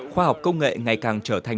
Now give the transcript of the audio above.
khoa học công nghệ ngày càng trở thành